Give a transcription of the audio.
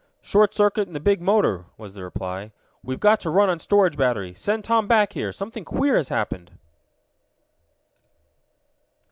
"Short circuit in the big motor," was the reply. "We've got to run on storage battery. Send Tom back here! Something queer has happened!"